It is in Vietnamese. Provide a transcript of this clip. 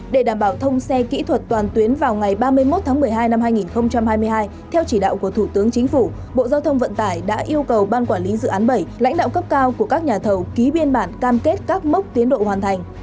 để đảm bảo thông xe kỹ thuật toàn tuyến vào ngày ba mươi một tháng một mươi hai năm hai nghìn hai mươi hai theo chỉ đạo của thủ tướng chính phủ bộ giao thông vận tải đã yêu cầu ban quản lý dự án bảy lãnh đạo cấp cao của các nhà thầu ký biên bản cam kết các mốc tiến độ hoàn thành